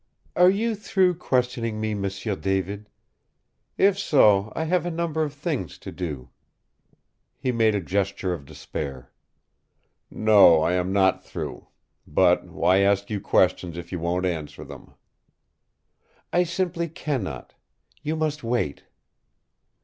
Are you through questioning me, M'sieu David? If so, I have a number of things to do." He made a gesture of despair. "No, I am not through. But why ask you questions if you won't answer them?" "I simply can not. You must wait."